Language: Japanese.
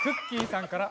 さんから。